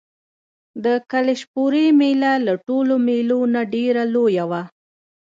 د کلشپورې مېله له ټولو مېلو نه ډېره لویه وه.